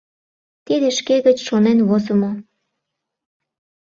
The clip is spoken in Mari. — Тиде шке гыч шонен возымо.